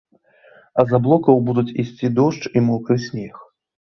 А з аблокаў будуць ісці дождж і мокры снег.